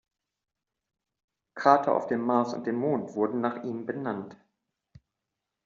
Krater auf dem Mars und dem Mond wurden nach ihm benannt.